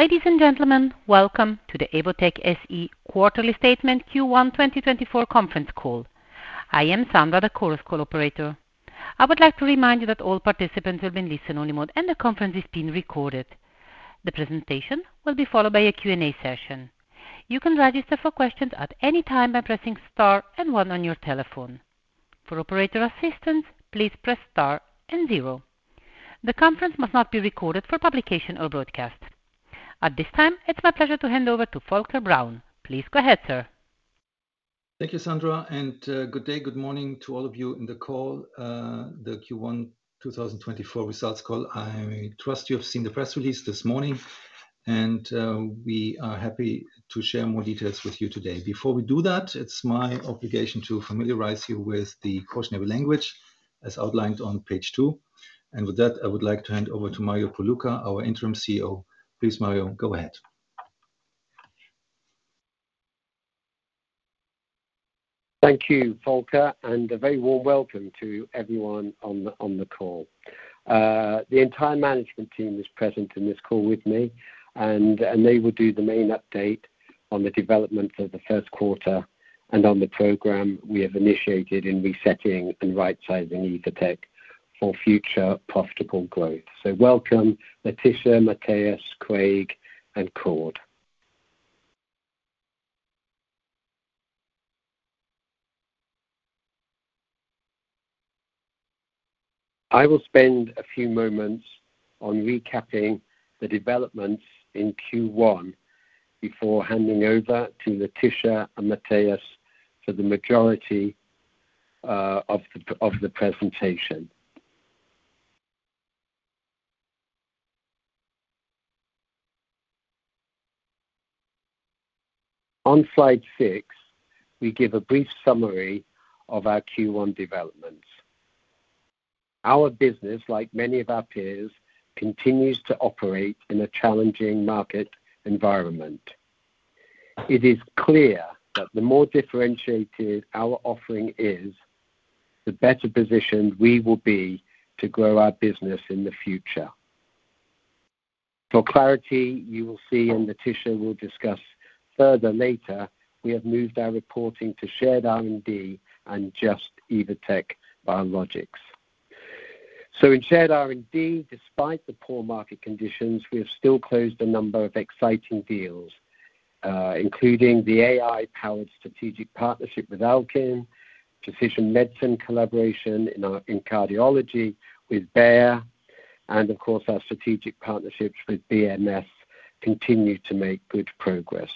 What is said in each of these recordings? Ladies and gentlemen, welcome to the Evotec SE quarterly statement Q1 2024 Conference Call. I am Sandra, the Chorus Call operator. I would like to remind you that all participants will be in listen-only mode, and the conference is being recorded. The presentation will be followed by a Q&A session. You can register for questions at any time by pressing star and one on your telephone. For operator assistance, please press star and zero. The conference must not be recorded for publication or broadcast. At this time, it's my pleasure to hand over to Volker Braun. Please go ahead, sir. Thank you, Sandra, and good day, good morning to all of you in the call, the Q1 2024 results call. I trust you have seen the press release this morning, and we are happy to share more details with you today. Before we do that, it's my obligation to familiarize you with the cautionary language as outlined on page two. And with that, I would like to hand over to Mario Polywka, our Interim CEO. Please, Mario, go ahead. Thank you, Volker, and a very warm welcome to everyone on the call. The entire management team is present in this call with me, and, and they will do the main update on the developments of the first quarter and on the program we have initiated in resetting and rightsizing Evotec for future profitable growth. So welcome, Laetitia, Matthias, Craig, and Cord. I will spend a few moments on recapping the developments in Q1 before handing over to Laetitia and Matthias for the majority of the presentation. On slide 6, we give a brief summary of our Q1 developments. Our business, like many of our peers, continues to operate in a challenging market environment. It is clear that the more differentiated our offering is, the better positioned we will be to grow our business in the future. For clarity, you will see, and Laetitia will discuss further later, we have moved our reporting to Shared R&D and Just - Evotec Biologics. So in Shared R&D, despite the poor market conditions, we have still closed a number of exciting deals, including the AI-powered strategic partnership with Owkin, precision medicine collaboration in cardiology with Bayer, and of course, our strategic partnerships with BMS continue to make good progress.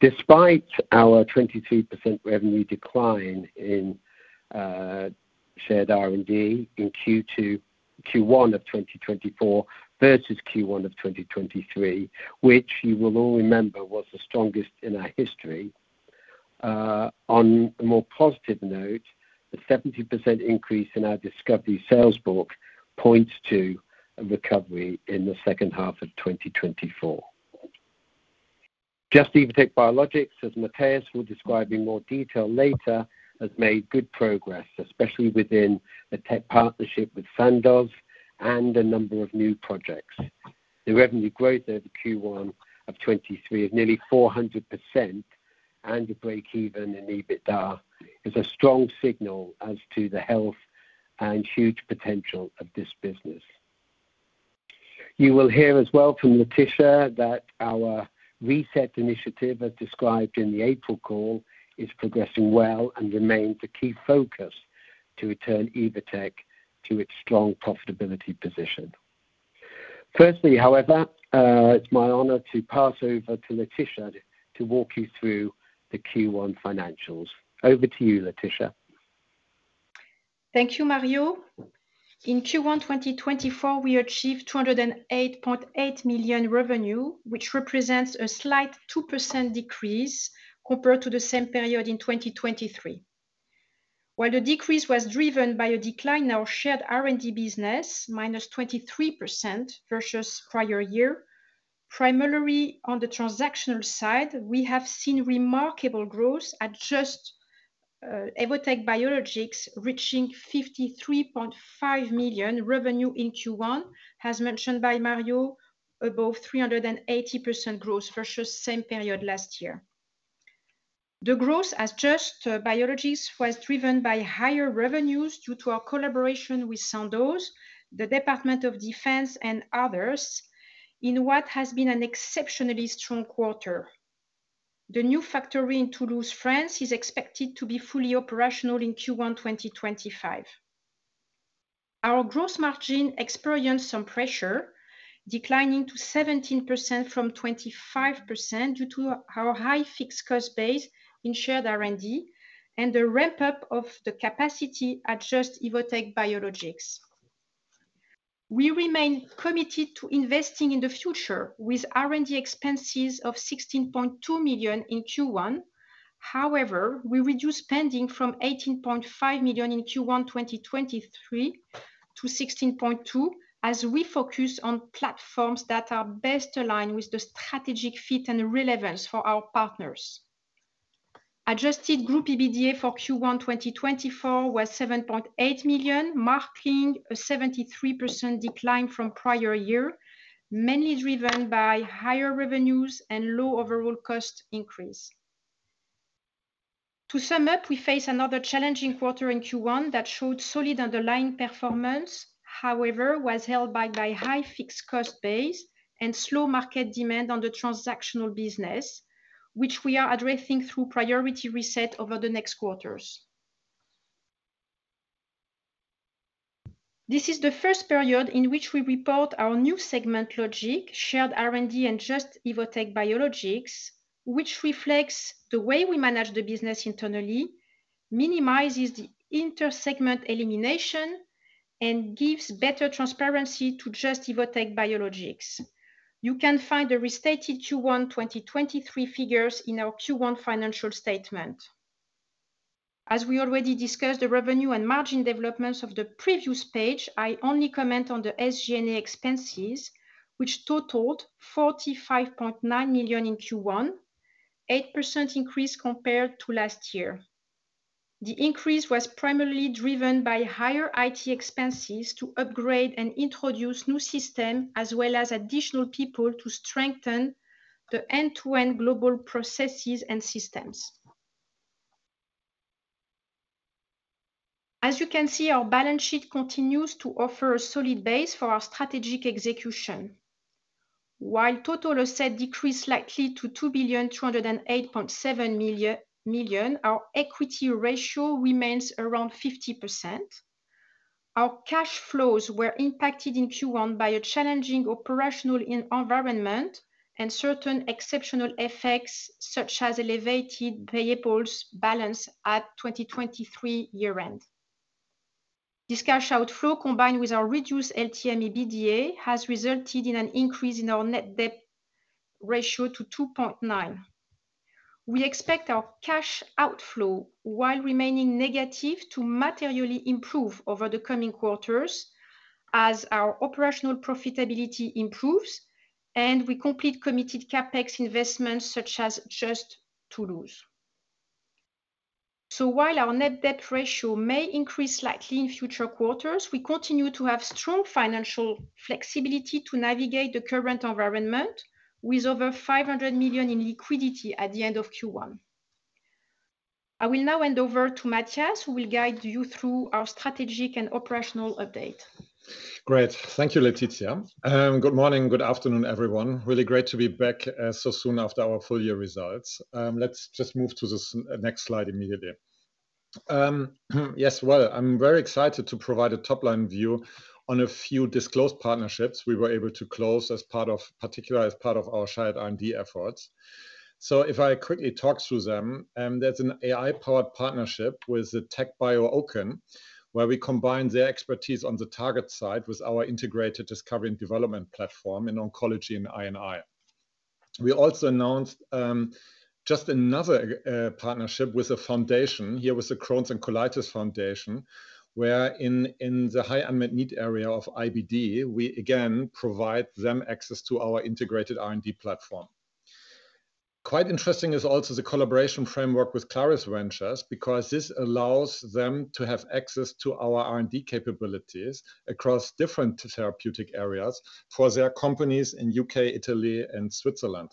Despite our 22% revenue decline in Shared R&D in Q1 of 2024 versus Q1 of 2023, which you will all remember was the strongest in our history. On a more positive note, the 70% increase in our discovery sales book points to a recovery in the second half of 2024. Just – Evotec Biologics, as Matthias will describe in more detail later, has made good progress, especially within the tech partnership with Sandoz and a number of new projects. The revenue growth over Q1 of 2023 of nearly 400% and a breakeven in EBITDA is a strong signal as to the health and huge potential of this business. You will hear as well from Laetitia that our reset initiative, as described in the April call, is progressing well and remains a key focus to return Evotec to its strong profitability position. Firstly, however, it's my honor to pass over to Laetitia to walk you through the Q1 financials. Over to you, Laetitia. Thank you, Mario. In Q1 2024, we achieved 208.8 million revenue, which represents a slight 2% decrease compared to the same period in 2023. While the decrease was driven by a decline in our Shared R&D business, -23% versus prior year, primarily on the transactional side, we have seen remarkable growth at Just – Evotec Biologics, reaching 53.5 million revenue in Q1. As mentioned by Mario, above 380% growth versus same period last year. The growth as Just Biologics was driven by higher revenues due to our collaboration with Sandoz, the Department of Defense, and others, in what has been an exceptionally strong quarter. The new factory in Toulouse, France, is expected to be fully operational in Q1 2025. Our gross margin experienced some pressure, declining to 17% from 25% due to our high fixed cost base in Shared R&D and the ramp-up of the capacity at Just – Evotec Biologics. We remain committed to investing in the future with R&D expenses of 16.2 million in Q1. However, we reduced spending from 18.5 million in Q1 2023 to 16.2 million, as we focus on platforms that are best aligned with the strategic fit and relevance for our partners. Adjusted group EBITDA for Q1 2024 was 7.8 million, marking a 73% decline from prior year, mainly driven by higher revenues and low overall cost increase. To sum up, we face another challenging quarter in Q1 that showed solid underlying performance, however, was held back by high fixed cost base and slow market demand on the transactional business, which we are addressing through priority reset over the next quarters. This is the first period in which we report our new segment logic, Shared R&D and Just - Evotec Biologics, which reflects the way we manage the business internally, minimizes the inter-segment elimination, and gives better transparency to Just - Evotec Biologics. You can find the restated Q1 2023 figures in our Q1 financial statement. As we already discussed the revenue and margin developments of the previous page, I only comment on the SG&A expenses, which totaled 45.9 million in Q1, 8% increase compared to last year. The increase was primarily driven by higher IT expenses to upgrade and introduce new system, as well as additional people to strengthen the end-to-end global processes and systems. As you can see, our balance sheet continues to offer a solid base for our strategic execution. While total assets decreased slightly to EUR 2.208.7 million, our equity ratio remains around 50%. Our cash flows were impacted in Q1 by a challenging operational environment and certain exceptional effects, such as elevated payables balance at 2023 year-end. This cash outflow, combined with our reduced LTM EBITDA, has resulted in an increase in our net debt ratio to 2.9. We expect our cash outflow, while remaining negative, to materially improve over the coming quarters as our operational profitability improves and we complete committed CapEx investments such as Just Toulouse. While our net debt ratio may increase slightly in future quarters, we continue to have strong financial flexibility to navigate the current environment with over 500 million in liquidity at the end of Q1. I will now hand over to Matthias, who will guide you through our strategic and operational update. Great. Thank you, Laetitia. Good morning, good afternoon, everyone. Really great to be back, so soon after our full year results. Let's just move to the next slide immediately. Well, I'm very excited to provide a top-line view on a few disclosed partnerships we were able to close as part of... particularly as part of our Shared R&D efforts. So if I quickly talk through them, there's an AI-powered partnership with the TechBio Owkin, where we combine their expertise on the target side with our integrated discovery and development platform in oncology and I&I. We also announced, just another, partnership with a foundation, here with the Crohn's and Colitis Foundation, where in the high unmet need area of IBD, we again provide them access to our integrated R&D platform. Quite interesting is also the collaboration framework with Claris Ventures, because this allows them to have access to our R&D capabilities across different therapeutic areas for their companies in UK, Italy, and Switzerland.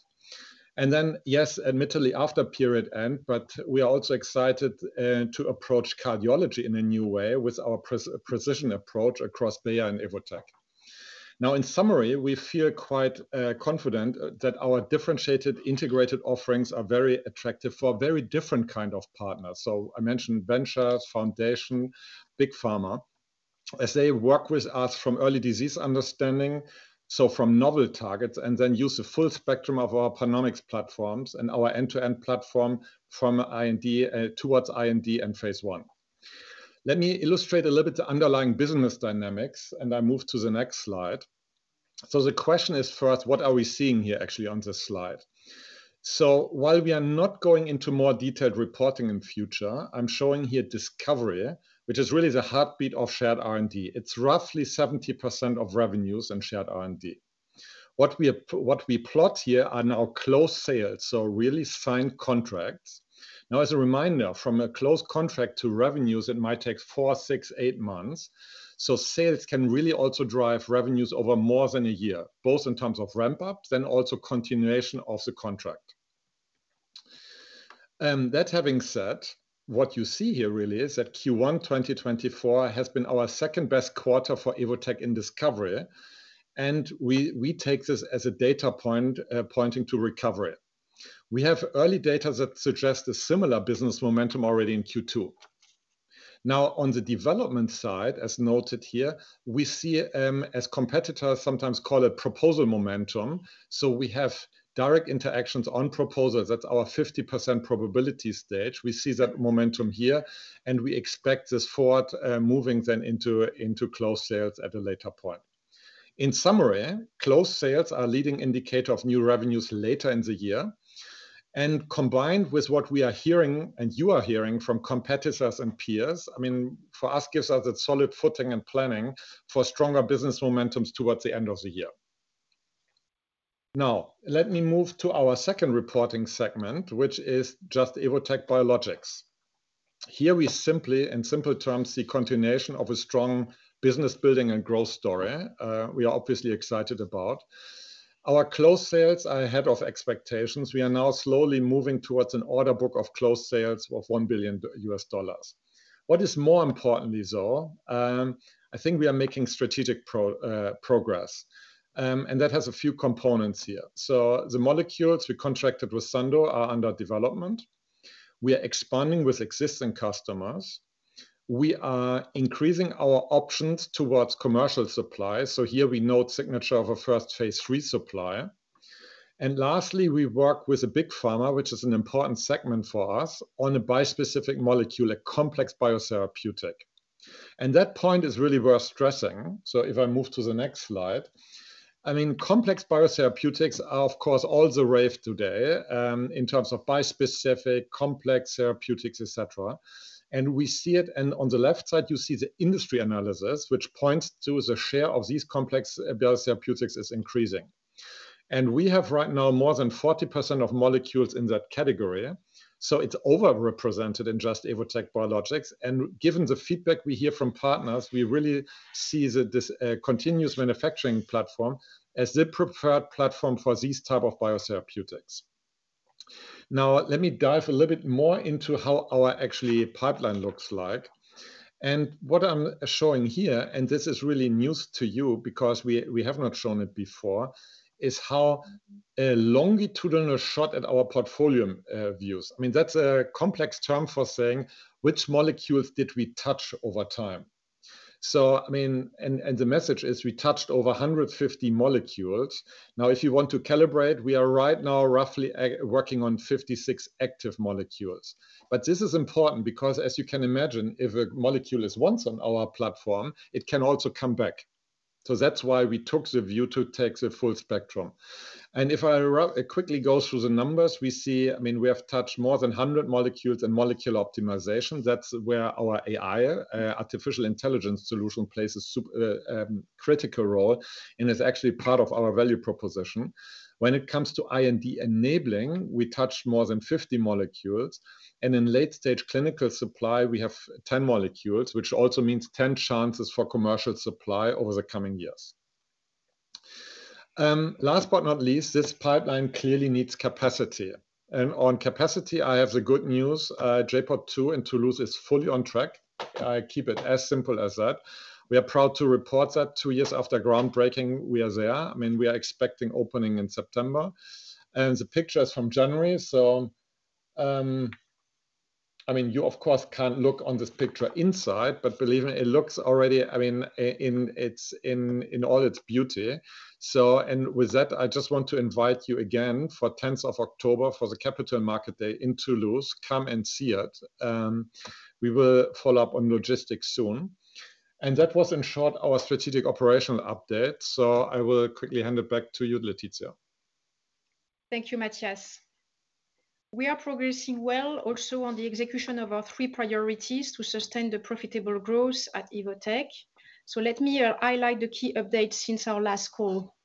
And then, yes, admittedly, after period end, but we are also excited to approach cardiology in a new way with our precision approach across Bayer and Evotec. Now, in summary, we feel quite confident that our differentiated integrated offerings are very attractive for a very different kind of partner. So I mentioned ventures, foundation, big pharma, as they work with us from early disease understanding, so from novel targets, and then use the full spectrum of our PanOmics platforms and our end-to-end platform from IND towards IND and phase one. Let me illustrate a little bit the underlying business dynamics, and I move to the next slide. So the question is, for us, what are we seeing here, actually, on this slide? So while we are not going into more detailed reporting in future, I'm showing here discovery, which is really the heartbeat of Shared R&D. It's roughly 70% of revenues and Shared R&D. What we plot here are now closed sales, so really signed contracts. Now, as a reminder, from a closed contract to revenues, it might take 4, 6, 8 months. So sales can really also drive revenues over more than a year, both in terms of ramp-up, then also continuation of the contract. That having said, what you see here really is that Q1 2024 has been our second best quarter for Evotec in discovery, and we, we take this as a data point, pointing to recovery. We have early data that suggest a similar business momentum already in Q2. Now, on the development side, as noted here, we see, as competitors sometimes call it, proposal momentum. So we have direct interactions on proposals. That's our 50% probability stage. We see that momentum here, and we expect this forward, moving then into closed sales at a later point. In summary, closed sales are a leading indicator of new revenues later in the year, and combined with what we are hearing and you are hearing from competitors and peers, I mean, for us, gives us a solid footing and planning for stronger business momentums towards the end of the year.... Now, let me move to our second reporting segment, which is Just – Evotec Biologics. Here we simply, in simple terms, see continuation of a strong business-building and growth story, we are obviously excited about. Our close sales are ahead of expectations. We are now slowly moving towards an order book of close sales of $1 billion. What is more importantly, though, I think we are making strategic progress, and that has a few components here. So the molecules we contracted with Sandoz are under development. We are expanding with existing customers. We are increasing our options towards commercial supply, so here we note signature of a first phase III supply. And lastly, we work with a big pharma, which is an important segment for us, on a bispecific molecule, a complex biotherapeutic. And that point is really worth stressing, so if I move to the next slide. I mean, complex biotherapeutics are, of course, all the rave today, in terms of bispecific, complex therapeutics, et cetera, and we see it. And on the left side, you see the industry analysis, which points to the share of these complex biotherapeutics is increasing. And we have, right now, more than 40% of molecules in that category, so it's overrepresented in Just - Evotec Biologics. And given the feedback we hear from partners, we really see that this, continuous manufacturing platform as the preferred platform for these type of biotherapeutics. Now, let me dive a little bit more into how our actually pipeline looks like. And what I'm showing here, and this is really news to you because we, we have not shown it before, is how a longitudinal shot at our portfolio, views. I mean, that's a complex term for saying which molecules did we touch over time. So, I mean, and the message is we touched over 150 molecules. Now, if you want to calibrate, we are right now roughly working on 56 active molecules. But this is important because, as you can imagine, if a molecule is once on our platform, it can also come back. So that's why we took the view to take the full spectrum. And if I quickly go through the numbers, we see, I mean, we have touched more than 100 molecules in molecule optimization. That's where our AI, artificial intelligence solution, plays a critical role and is actually part of our value proposition. When it comes to IND enabling, we touched more than 50 molecules, and in late-stage clinical supply, we have 10 molecules, which also means 10 chances for commercial supply over the coming years. Last but not least, this pipeline clearly needs capacity, and on capacity, I have the good news. J.POD 2 in Toulouse is fully on track. I keep it as simple as that. We are proud to report that 2 years after groundbreaking, we are there. I mean, we are expecting opening in September. And the picture is from January, so, I mean, you, of course, can't look on this picture inside, but believe me, it looks already, I mean, in all its beauty. With that, I just want to invite you again for the 10th of October for the Capital Market Day in Toulouse. Come and see it. We will follow up on logistics soon. That was, in short, our strategic operational update, so I will quickly hand it back to you, Laetitia. Thank you, Matthias. We are progressing well also on the execution of our three priorities to sustain the profitable growth at Evotec, so let me highlight the key updates since our last call.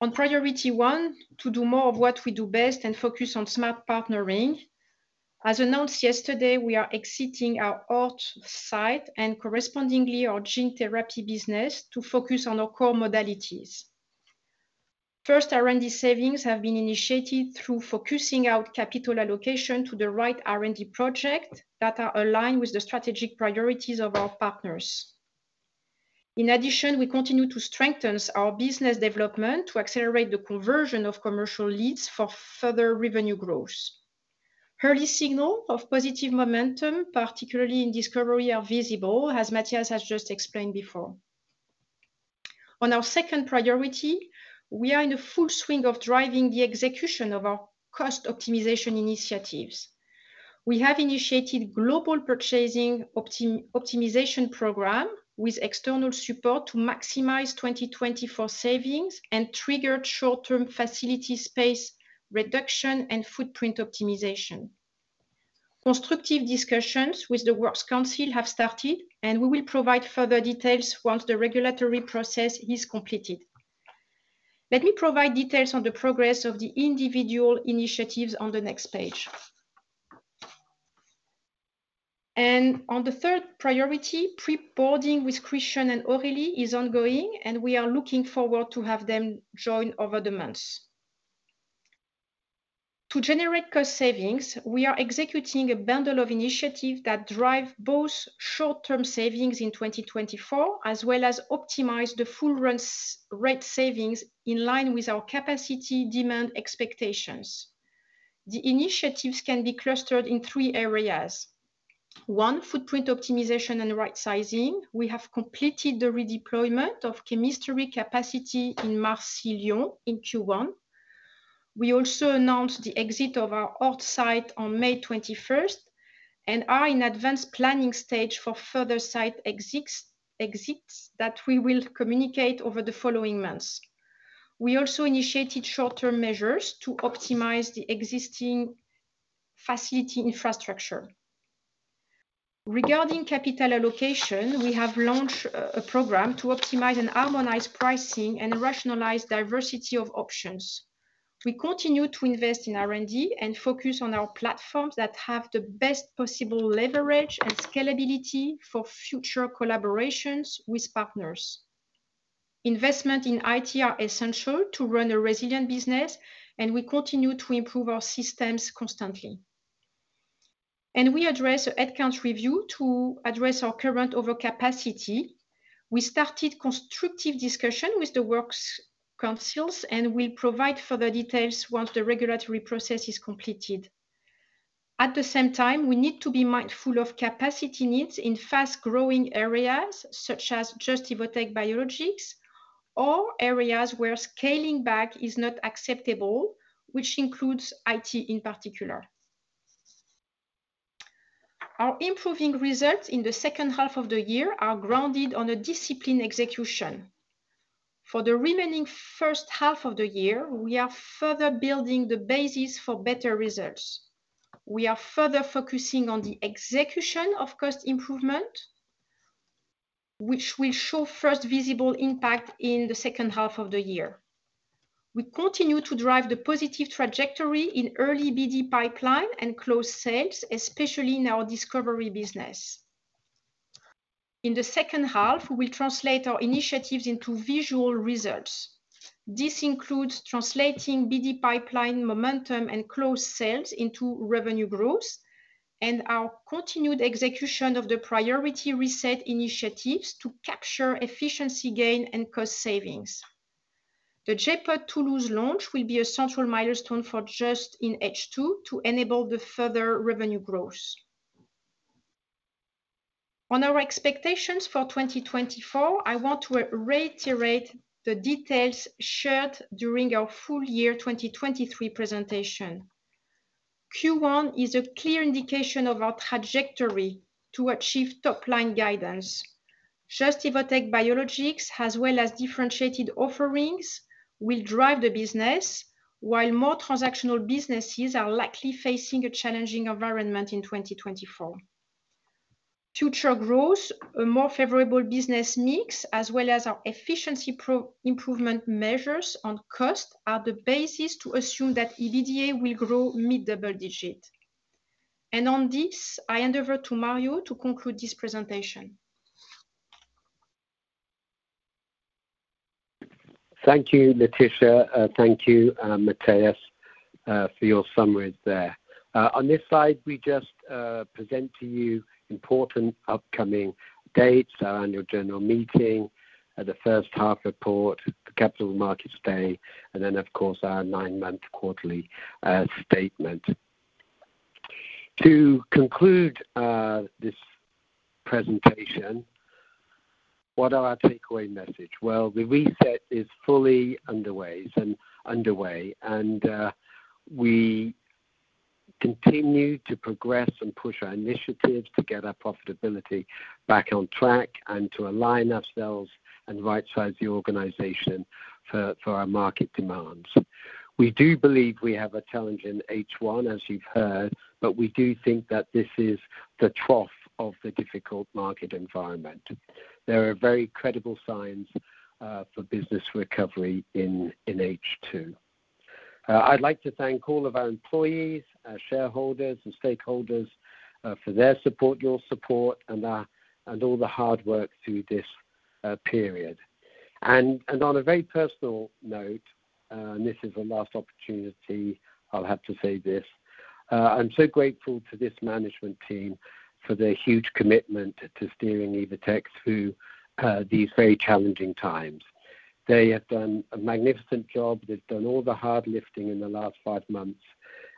On priority one, to do more of what we do best and focus on smart partnering, as announced yesterday, we are exiting our Orth site and, correspondingly, our gene therapy business to focus on our core modalities. First, R&D savings have been initiated through focusing our capital allocation to the right R&D project that are aligned with the strategic priorities of our partners. In addition, we continue to strengthen our business development to accelerate the conversion of commercial leads for further revenue growth. Early signal of positive momentum, particularly in discovery, are visible, as Matthias has just explained before. On our second priority, we are in the full swing of driving the execution of our cost optimization initiatives. We have initiated global purchasing optimization program with external support to maximize 2024 savings and trigger short-term facility space reduction and footprint optimization. Constructive discussions with the Works Council have started, and we will provide further details once the regulatory process is completed. Let me provide details on the progress of the individual initiatives on the next page. On the third priority, pre-boarding with Christian and Aurélie is ongoing, and we are looking forward to have them join over the months. To generate cost savings, we are executing a bundle of initiatives that drive both short-term savings in 2024, as well as optimize the full rent savings in line with our capacity demand expectations. The initiatives can be clustered in three areas. One, footprint optimization and right-sizing. We have completed the redeployment of chemistry capacity in Marcy-l'Étoile in Q1. We also announced the exit of our Orth site on May twenty-first and are in advanced planning stage for further site exits, exits that we will communicate over the following months. We also initiated short-term measures to optimize the existing facility infrastructure. Regarding capital allocation, we have launched a program to optimize and harmonize pricing and rationalize diversity of options. We continue to invest in R&D and focus on our platforms that have the best possible leverage and scalability for future collaborations with partners. Investment in IT are essential to run a resilient business, and we continue to improve our systems constantly. We address head count review to address our current overcapacity. We started constructive discussion with the works councils, and we'll provide further details once the regulatory process is completed. At the same time, we need to be mindful of capacity needs in fast-growing areas, such Just – Evotec Biologics, or areas where scaling back is not acceptable, which includes IT in particular. Our improving results in the second half of the year are grounded on a disciplined execution. For the remaining first half of the year, we are further building the basis for better results. We are further focusing on the execution of cost improvement, which will show first visible impact in the second half of the year. We continue to drive the positive trajectory in early BD pipeline and close sales, especially in our discovery business. In the second half, we'll translate our initiatives into visual results. This includes translating BD pipeline momentum and close sales into revenue growth and our continued execution of the priority reset initiatives to capture efficiency gain and cost savings. The J.POD Toulouse launch will be a Just – Evotec Biologics in H2 to enable the further revenue growth. On our expectations for 2024, I want to reiterate the details shared during our full year 2023 presentation. Q1 is a clear indication of our trajectory to achieve top-line Just – Evotec Biologics, as well as differentiated offerings, will drive the business, while more transactional businesses are likely facing a challenging environment in 2024. Future growth, a more favorable business mix, as well as our efficiency improvement measures on cost, are the basis to assume that EBITDA will grow mid-double-digit. On this, I hand over to Mario to conclude this presentation. Thank you, Laetitia, thank you, Matthias, for your summaries there. On this slide, we just present to you important upcoming dates, our annual general meeting, the first half report, the Capital Markets Day, and then, of course, our nine-month quarterly statement. To conclude, this presentation, what are our takeaway message? Well, the reset is fully underway, is underway, and we continue to progress and push our initiatives to get our profitability back on track and to align ourselves and rightsize the organization for, for our market demands. We do believe we have a challenge in H1, as you've heard, but we do think that this is the trough of the difficult market environment. There are very credible signs, for business recovery in, in H2. I'd like to thank all of our employees, our shareholders, and stakeholders, for their support, your support, and all the hard work through this period. And on a very personal note, this is the last opportunity I'll have to say this, I'm so grateful to this management team for their huge commitment to steering Evotec through these very challenging times. They have done a magnificent job. They've done all the hard lifting in the last five months,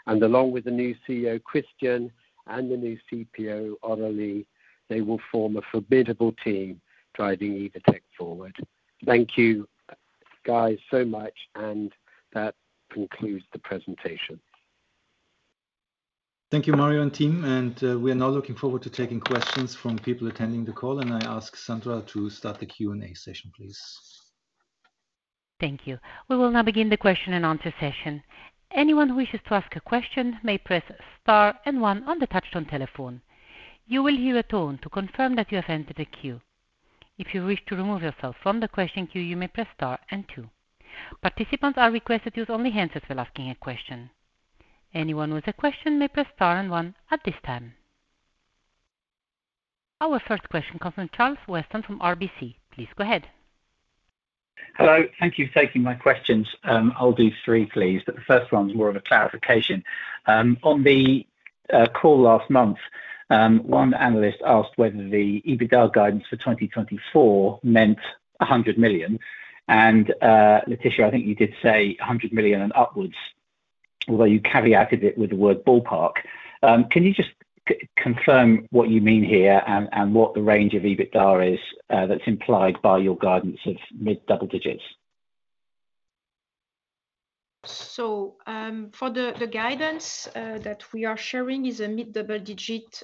and along with the new CEO, Christian, and the new CPO, Aurélie, they will form a formidable team driving Evotec forward. Thank you, guys, so much, and that concludes the presentation. Thank you, Mario and team. We are now looking forward to taking questions from people attending the call, and I ask Sandra to start the Q&A session, please. Thank you. We will now begin the question and answer session. Anyone who wishes to ask a question may press star and one on the touchtone telephone. You will hear a tone to confirm that you have entered the queue. If you wish to remove yourself from the question queue, you may press star and two. Participants are requested to use only hands for asking a question. Anyone with a question may press Star and One at this time. Our first question comes from Charles Weston from RBC. Please go ahead. Hello. Thank you for taking my questions. I'll do three, please, but the first one is more of a clarification. On the call last month, one analyst asked whether the EBITDA guidance for 2024 meant 100 million, and, Laetitia, I think you did say 100 million and upwards, although you caveated it with the word ballpark. Can you just confirm what you mean here and, and what the range of EBITDA is, that's implied by your guidance of mid-double digits? For the guidance that we are sharing is a mid-double-digit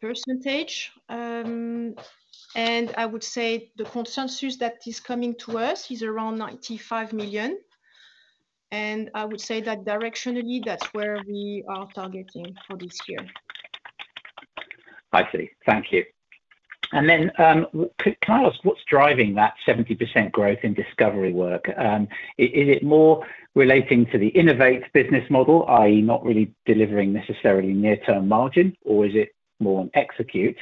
percentage. I would say the consensus that is coming to us is around 95 million, and I would say that directionally, that's where we are targeting for this year. I see. Thank you. And then, can I ask what's driving that 70% growth in discovery work? Is it more relating to the Innovate business model, i.e., not really delivering necessarily near-term margin, or is it more on Execute?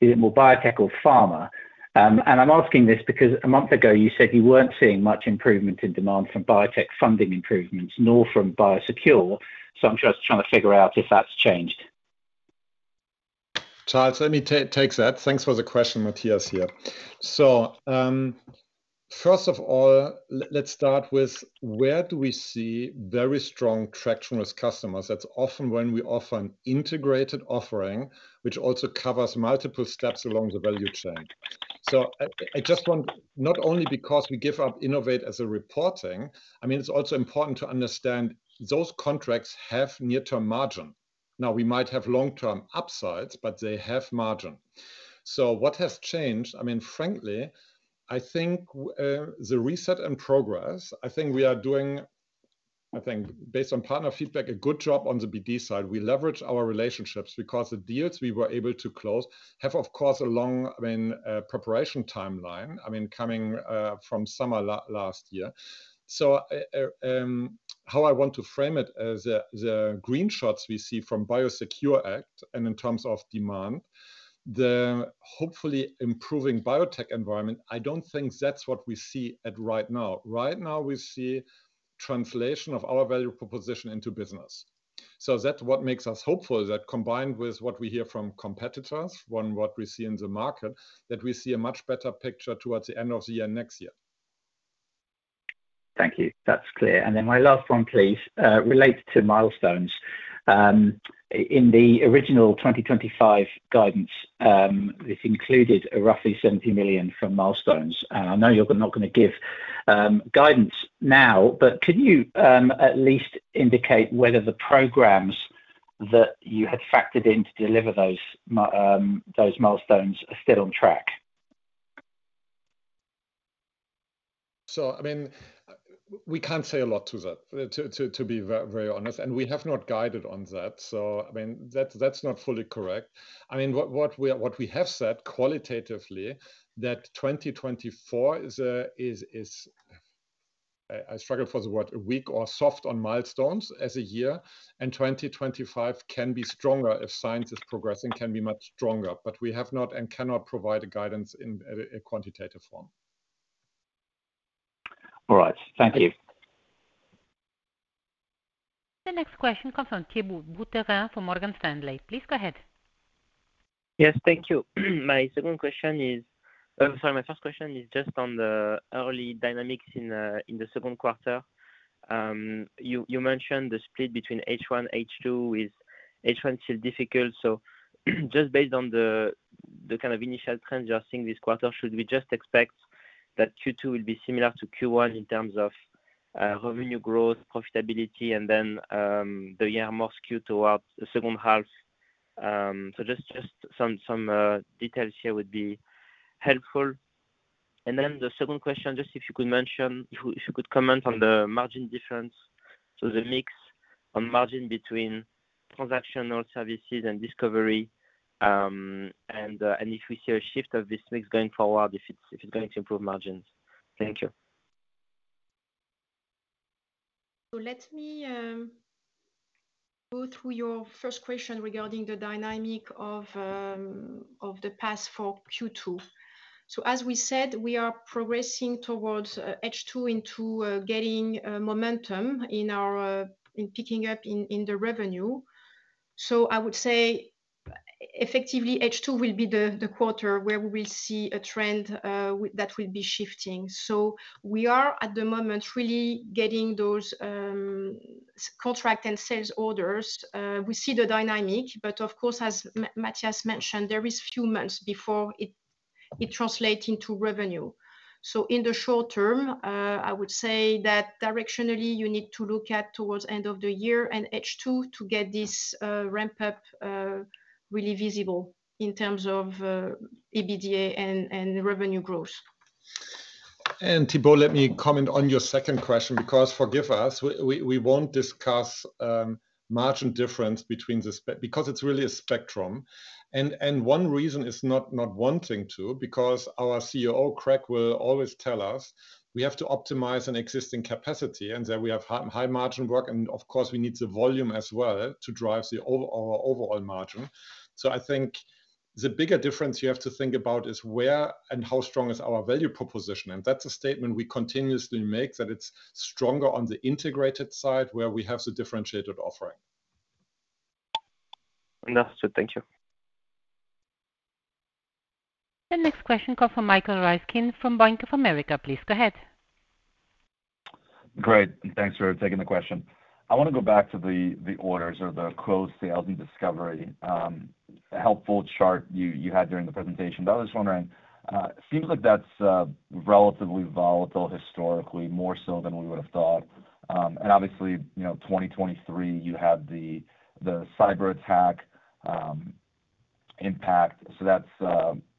Is it more biotech or pharma? And I'm asking this because a month ago, you said you weren't seeing much improvement in demand from biotech funding improvements, nor from BIOSECURE. So I'm just trying to figure out if that's changed. Charles, let me take that. Thanks for the question, Matthias here. So, first of all, let's start with where do we see very strong traction with customers? That's often when we offer an integrated offering, which also covers multiple steps along the value chain. So I just want, not only because we give up Innovate as a reporting, I mean, it's also important to understand those contracts have near-term margin. Now, we might have long-term upsides, but they have margin. So what has changed? I mean, frankly, I think the reset and progress, I think we are doing, I think, based on partner feedback, a good job on the BD side. We leverage our relationships because the deals we were able to close have, of course, a long, I mean, preparation timeline, I mean, coming from summer last year. So, how I want to frame it is the green shoots we see from the BIOSECURE Act and in terms of demand, the hopefully improving biotech environment. I don't think that's what we see right now. Right now, we see translation of our value proposition into business. So that's what makes us hopeful is that combined with what we hear from competitors, one, what we see in the market, that we see a much better picture towards the end of the year, next year. Thank you. That's clear. And then my last one, please, relates to milestones. In the original 2025 guidance, this included roughly 70 million from milestones. And I know you're not gonna give guidance now, but could you at least indicate whether the programs that you had factored in to deliver those milestones are still on track? So, I mean, we can't say a lot to that, to be very honest, and we have not guided on that. So, I mean, that's not fully correct. I mean, what we have said qualitatively, that 2024 is a... I struggle for the word, weak or soft on milestones as a year, and 2025 can be stronger if science is progressing, can be much stronger. But we have not and cannot provide a guidance in a quantitative form. All right. Thank you. The next question comes from Thibault Boutherin for Morgan Stanley. Please go ahead. Yes, thank you. My second question is, sorry, my first question is just on the early dynamics in, in the second quarter. You mentioned the split between H1, H2, with H1 still difficult. So just based on the kind of initial trends you are seeing this quarter, should we just expect that Q2 will be similar to Q1 in terms of revenue growth, profitability, and then the year more skewed towards the second half? So just some details here would be helpful. And then the second question, just if you could mention, if you could comment on the margin difference, so the mix on margin between transactional services and discovery, and if we see a shift of this mix going forward, if it's going to improve margins. Thank you. So let me go through your first question regarding the dynamic of the path for Q2. So as we said, we are progressing towards H2 into getting momentum in our in picking up in the revenue. So I would say effectively, H2 will be the the quarter where we will see a trend that will be shifting. So we are, at the moment, really getting those contract and sales orders. We see the dynamic, but of course, as Matthias mentioned, there is few months before it translate into revenue. So in the short term, I would say that directionally, you need to look at towards end of the year and H2 to get this ramp up really visible in terms of EBITDA and revenue growth. And Thibault, let me comment on your second question, because forgive us, we won't discuss margin difference because it's really a spectrum. And one reason is not wanting to, because our COO, Craig, will always tell us we have to optimize an existing capacity and that we have high-margin work, and of course, we need the volume as well to drive our overall margin. So I think the bigger difference you have to think about is where and how strong is our value proposition, and that's a statement we continuously make, that it's stronger on the integrated side, where we have the differentiated offering. That's it. Thank you. The next question call for Michael Ryskin from Bank of America. Please go ahead. Great, thanks for taking the question. I wanna go back to the orders or the closed sales in discovery. A helpful chart you had during the presentation, but I was just wondering, seems like that's relatively volatile historically, more so than we would have thought. And obviously, you know, 2023, you had the cyberattack impact. So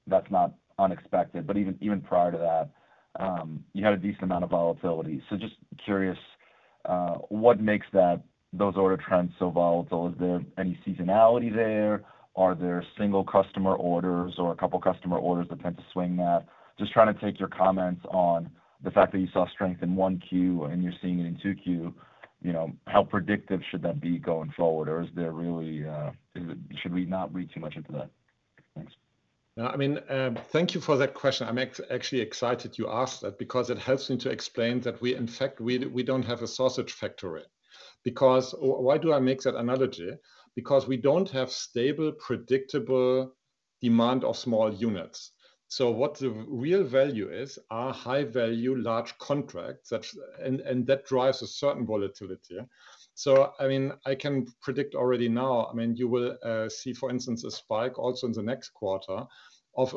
that's not unexpected. But even prior to that, you had a decent amount of volatility. So just curious, what makes those order trends so volatile? Is there any seasonality there? Are there single customer orders or a couple of customer orders that tend to swing that? Just trying to take your comments on the fact that you saw strength in 1Q and you're seeing it in 2Q, you know, how predictive should that be going forward? Or is there really, should we not read too much into that? Thanks. No, I mean, thank you for that question. I'm actually excited you asked that because it helps me to explain that we, in fact, don't have a sausage factory. Why do I make that analogy? Because we don't have stable, predictable demand of small units. So what the real value is, are high-value, large contracts, that's and that drives a certain volatility. So I mean, I can predict already now, I mean, you will see, for instance, a spike also in the next quarter of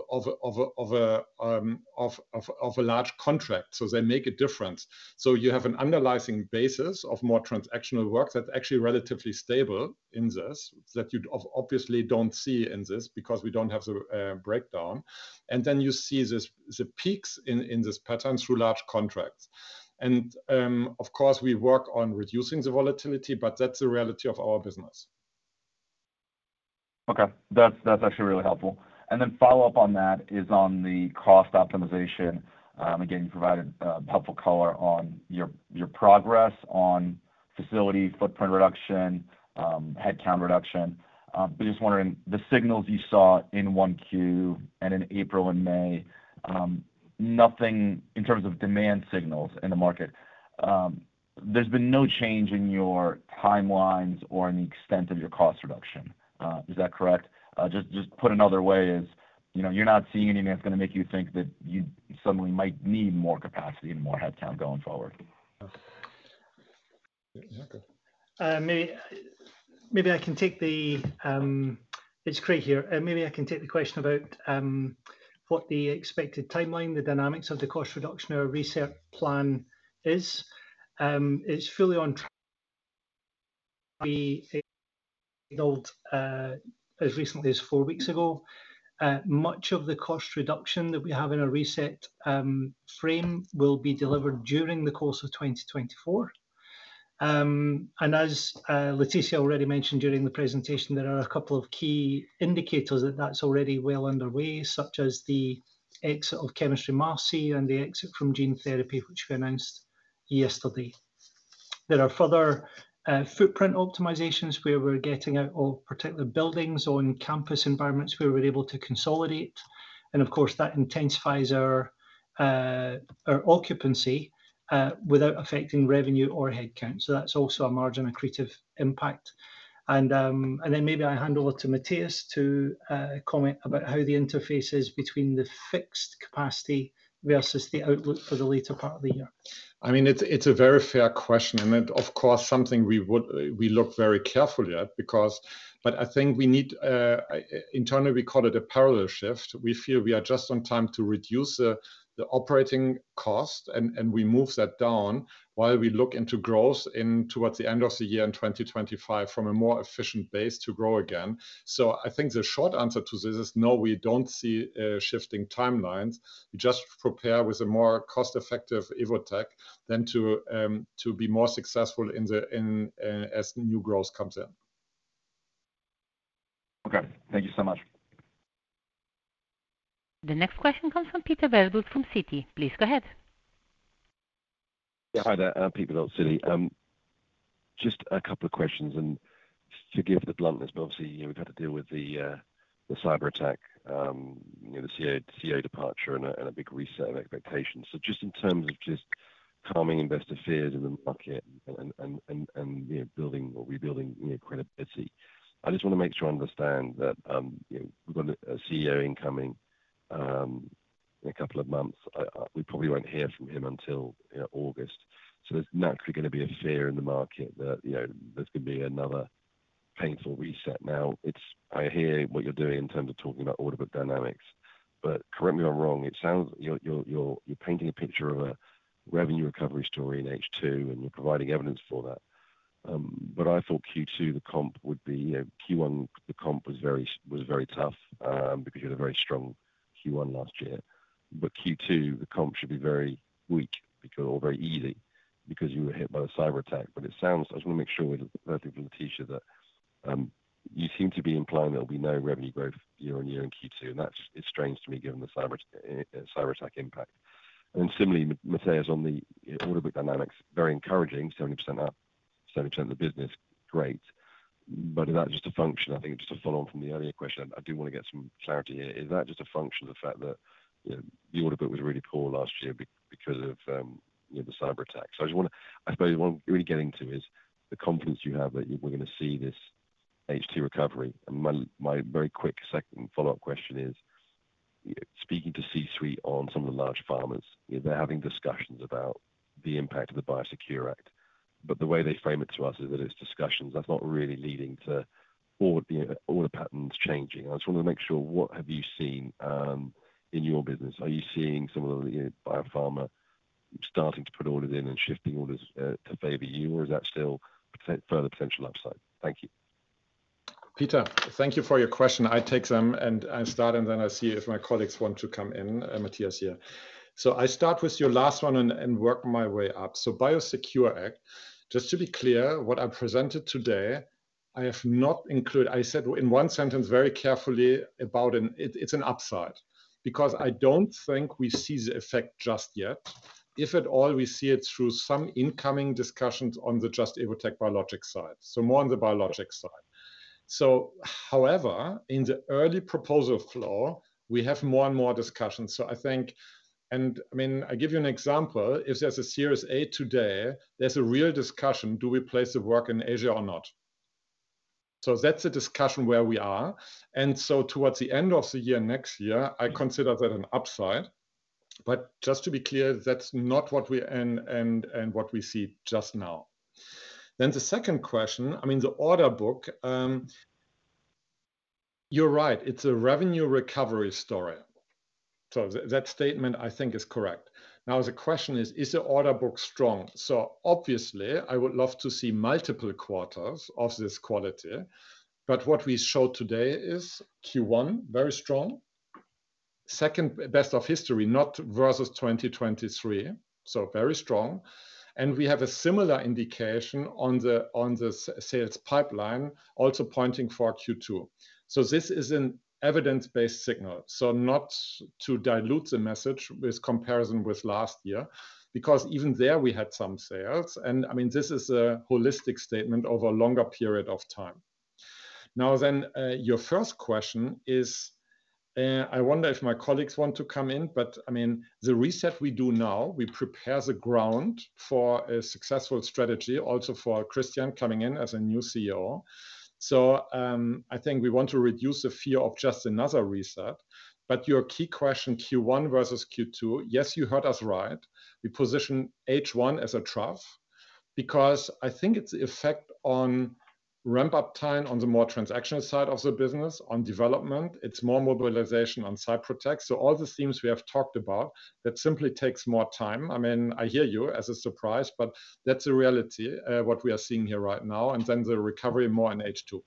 a large contract. So they make a difference. So you have an underlying basis of more transactional work that's actually relatively stable in this, that you obviously don't see in this because we don't have the breakdown. Then you see this, the peaks in this pattern through large contracts. Of course, we work on reducing the volatility, but that's the reality of our business. Okay. That's, that's actually really helpful. And then follow-up on that is on the cost optimization. Again, you provided helpful color on your, your progress on facility footprint reduction, headcount reduction. But just wondering, the signals you saw in 1Q and in April and May, nothing in terms of demand signals in the market, there's been no change in your timelines or in the extent of your cost reduction. Is that correct? Just, just put another way, is, you know, you're not seeing anything that's gonna make you think that you suddenly might need more capacity and more headcount going forward? Yeah, okay. It's Craig here. Maybe I can take the question about what the expected timeline, the dynamics of the cost reduction or reset plan is. It's fully on track. We, as recently as 4 weeks ago, much of the cost reduction that we have in our reset frame will be delivered during the course of 2024. And as Laetitia already mentioned during the presentation, there are a couple of key indicators that that's already well underway, such as the exit of Chemistry Marcy and the exit from gene therapy, which we announced yesterday. There are further footprint optimizations where we're getting out of particular buildings on campus environments where we're able to consolidate, and of course, that intensifies our occupancy without affecting revenue or headcount. So that's also a margin accretive impact. And then maybe I hand over to Matthias to comment about how the interface is between the fixed capacity versus the outlook for the later part of the year. I mean, it's a very fair question, and of course, something we would look very carefully at because. But I think we need internally, we call it a parallel shift. We feel we are just on time to reduce the operating cost, and we move that down while we look into growth towards the end of the year in 2025 from a more efficient base to grow again. So I think the short answer to this is no, we don't see shifting timelines. We just prepare with a more cost-effective Evotec to be more successful in as new growth comes in. Okay. Thank you so much. The next question comes from Peter Verdult from Citi. Please go ahead. Yeah, hi there, Peter Verdult, Citi. Just a couple of questions, and forgive the bluntness, but obviously, you know, we've had to deal with the cyberattack, you know, the CA departure and a big reset of expectations. So just in terms of just calming investor fears in the market and, you know, building or rebuilding, you know, credibility, I just want to make sure I understand that, you know, we've got a CEO incoming in a couple of months. I, we probably won't hear from him until, you know, August. So there's naturally going to be a fear in the market that, you know, there's going to be another painful reset. Now, it's, I hear what you're doing in terms of talking about order book dynamics, but correct me if I'm wrong, it sounds... You're painting a picture of a revenue recovery story in H2, and you're providing evidence for that. But I thought Q2, the comp would be, you know, Q1, the comp was very tough, because you had a very strong Q1 last year. But Q2, the comp should be very weak because, or very easy, because you were hit by a cyberattack. But it sounds... I just want to make sure we're perfectly clear, that you seem to be implying there'll be no revenue growth year on year in Q2, and that's, it's strange to me, given the cyberattack impact. And similarly, Matthias, on the order book dynamics, very encouraging, 70% up, 70% of the business, great. But is that just a function? I think just to follow on from the earlier question, I do want to get some clarity here. Is that just a function of the fact that, you know, the order book was really poor last year because of, you know, the cyberattack? So I just want to... I suppose what I'm really getting to is the confidence you have that we're going to see this HT recovery. And my, my very quick second follow-up question is, speaking to C-suite on some of the large pharmas, they're having discussions about the impact of the BIOSECURE Act, but the way they frame it to us is that it's discussions. That's not really leading to all the, all the patterns changing. I just want to make sure, what have you seen, in your business? Are you seeing some of the, you know, biopharma-... starting to put orders in and shifting orders, to favor you, or is that still further potential upside? Thank you. Peter, thank you for your question. I take them, and I start, and then I see if my colleagues want to come in. Matthias, here. So I start with your last one and work my way up. So BIOSECURE Act, just to be clear, what I presented today, I have not included. I said in one sentence very carefully about an... It's an upside because I don't think we see the effect just yet. If at all, we see it through some incoming discussions on the Just - Evotec Biologics side, so more on the biologics side. So however, in the early proposal flow, we have more and more discussions. So I think, I mean, I give you an example: If there's a Series A today, there's a real discussion, do we place the work in Asia or not? So that's the discussion where we are. And so towards the end of the year, next year, I consider that an upside. But just to be clear, that's not what we... and what we see just now. Then the second question, I mean, the order book, you're right, it's a revenue recovery story. So that statement, I think, is correct. Now, the question is: Is the order book strong? So obviously, I would love to see multiple quarters of this quality, but what we showed today is Q1, very strong. Second best of history, not versus 2023, so very strong. And we have a similar indication on the sales pipeline, also pointing for Q2. So this is an evidence-based signal, so not to dilute the message with comparison with last year, because even there, we had some sales. I mean, this is a holistic statement over a longer period of time. Now then, your first question is, I wonder if my colleagues want to come in, but, I mean, the reset we do now, we prepare the ground for a successful strategy, also for Christian coming in as a new CEO. So, I think we want to reduce the fear of just another reset. But your key question, Q1 versus Q2, yes, you heard us right. We position H1 as a trough because I think its effect on ramp-up time on the more transactional side of the business, on development, it's more mobilization on Cyprotex. So all the themes we have talked about, that simply takes more time. I mean, I hear you as a surprise, but that's the reality, what we are seeing here right now, and then the recovery more in H2.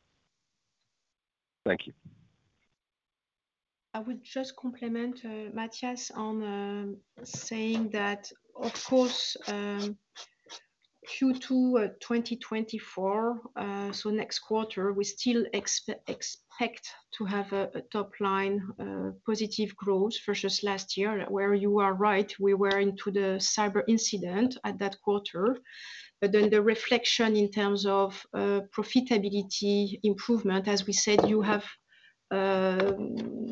Thank you. I would just compliment Matthias on saying that, of course, Q2 2024, so next quarter, we still expect to have a top line positive growth versus last year, where you are right, we were into the cyber incident at that quarter. But then the reflection in terms of profitability improvement, as we said,